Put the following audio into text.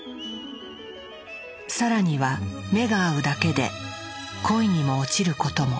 更には目が合うだけで恋にも落ちることも。